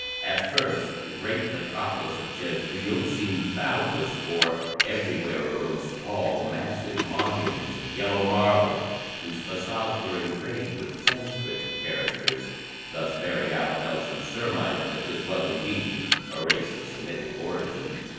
At first the great metropolis of Jezreel seemed boundless, for everywhere arose tall, massive monuments of yellow marble whose facades were engraved with Sanskrit characters, thus bearing out Nelson's surmise that this was indeed a race of Semitic origin.